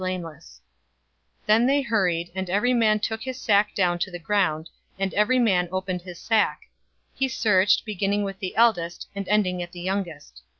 044:011 Then they hurried, and every man took his sack down to the ground, and every man opened his sack. 044:012 He searched, beginning with the eldest, and ending at the youngest.